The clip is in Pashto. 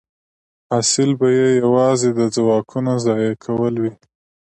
حاصل به یې یوازې د ځواکونو ضایع کول وي